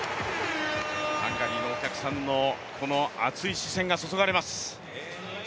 ハンガリーのお客さんの熱い視線が注がれます。